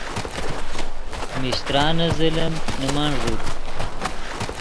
میشترانے ظلم نے من ݱوت